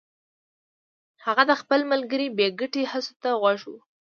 هغه د خپل ملګري بې ګټې هڅو ته غوږ و